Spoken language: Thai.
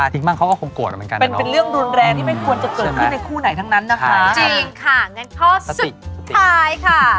จริงค่ะงั้นข้อสุดท้ายค่ะสติ